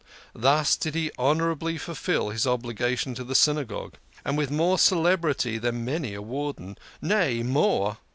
Thus did he honourably fulfil his obligation to the Syna gogue, and with more celerity than many a Warden. Nay, more